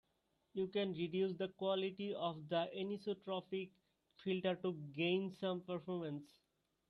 You can reduce the quality of the anisotropic filter to gain some performance.